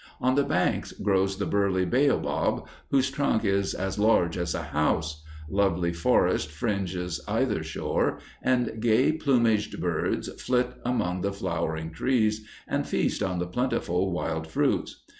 On the banks grows the burly baobab, whose trunk is as large as a house; lovely forest fringes either shore, and gay plumaged birds flit among the flowering trees and feast on the plentiful wild fruits.